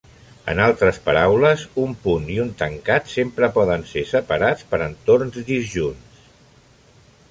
En altres paraules, un punt i un tancat sempre poden ser separats per entorns disjunts.